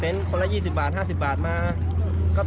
เขามาบอกว่าให้เราบริการห้องเที่ยวดีให้สร้างห้องน้ำให้สร้างให้แข็งแรง